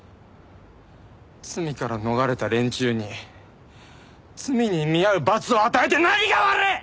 罪から逃れた連中に罪に見合う罰を与えて何が悪い！